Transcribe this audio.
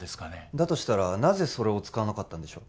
だとしたらなぜそれを使わなかったんでしょう？